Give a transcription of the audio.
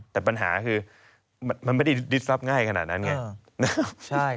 แต่ปัญหาคือมันไม่ได้ลิดทรัพย์ง่ายขนาดนั้นไง